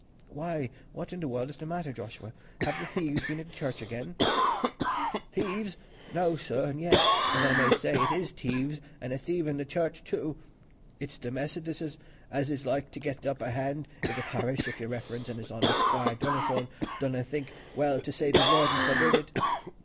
"Why, what in the world is the matter, Joshua? Have the thieves been at the church lead again?" "Thieves! No, sir—an' yet, as I may say, it is thieves, an' a thievin' the church, too. It's the Methodisses as is like to get th' upper hand i' th' parish, if Your Reverence an' His Honour, Squire Donnithorne, doesna think well to say the word an' forbid it.